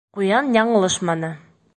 Ҡуян яңылышманы.